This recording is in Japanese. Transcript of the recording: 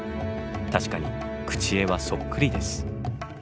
確かに口絵はそっくりです。